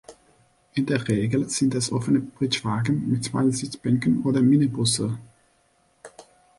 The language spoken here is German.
In der Regel sind es offene Pritschenwagen mit zwei Sitzbänken oder Minibusse.